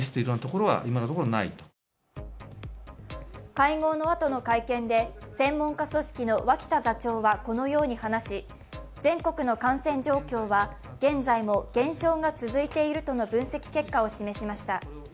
会合のあとの会見で専門家組織の脇田座長はこのように話し全国の感染状況は現在も減少が続いているとの分析結果を示しました。